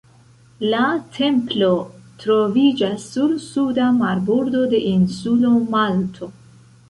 La templo troviĝas sur suda marbordo de insulo Malto.